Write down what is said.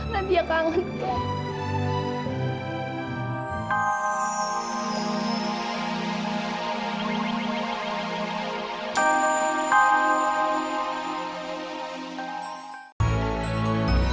nadia kangen kak